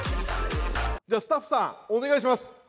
じゃあスタッフさんお願いします！